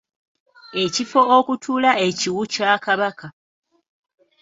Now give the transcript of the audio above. Ekifo okutuula ekiwu kya Kabaka.